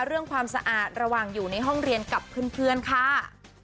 ความสะอาดระหว่างอยู่ในห้องเรียนกับเพื่อนค่ะ